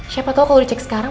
siapa tahu kalau dicek sekarang